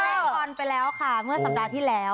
บอลไปแล้วค่ะเมื่อสัปดาห์ที่แล้ว